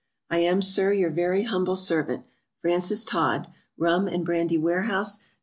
I am, Sir, your very humble servant, FRANCES TOD. Rum and Brandy Warehouse, No.